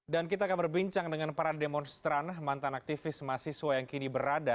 dan kita akan berbincang dengan para demonstran mantan aktivis mahasiswa yang kini berada